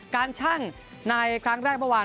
ชั่งในครั้งแรกเมื่อวาน